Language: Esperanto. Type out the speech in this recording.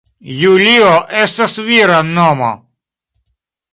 Julio estas vira nomo.